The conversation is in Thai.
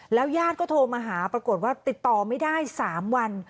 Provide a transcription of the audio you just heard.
ญาติก็โทรมาหาปรากฏว่าติดต่อไม่ได้๓วัน